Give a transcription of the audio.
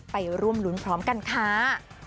ไปร่วมรุ้นพร้อมกันค่ะ